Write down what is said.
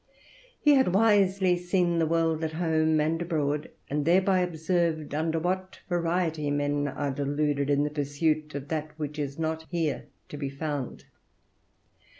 He had wisely seen the world at home and abroad, and thereby observed under what variety men are deluded in the pursuit of that which is not here to be found.